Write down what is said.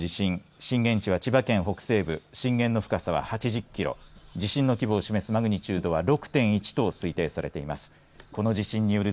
震源地は千葉県北西部震源の深さは８０キロ地震の規模を示すマグニチュードは６．１と推定されています。